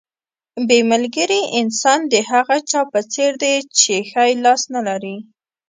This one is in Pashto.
بې ملګري انسان د هغه چا په څېر دی چې ښی لاس نه لري.